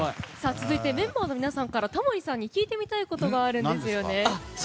続いて、メンバーの皆さんからタモリさんに聞いてみたいことがあるんですよね。